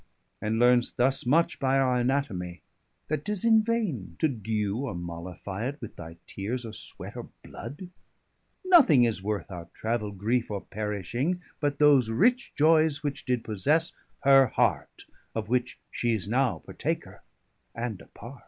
And learn'st thus much by our Anatomy, That 'tis in vaine to dew, or mollifie 430 It with thy teares, or sweat, or blood: nothing Is worth our travaile, griefe, or perishing, But those rich joyes, which did possesse her heart, Of which she's now partaker, and a part.